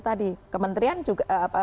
tadi kementerian juga